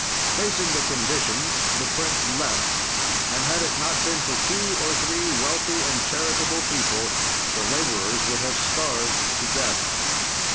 "Facing the conditions the prince left, and had it not been for two or three wealthy and charitable people the laborers would have starved to death.